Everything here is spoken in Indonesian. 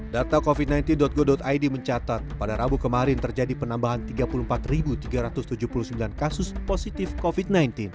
data covid sembilan belas go id mencatat pada rabu kemarin terjadi penambahan tiga puluh empat tiga ratus tujuh puluh sembilan kasus positif covid sembilan belas